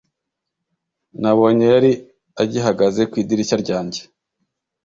nabonye yari agihagaze ku idirishya ryanjye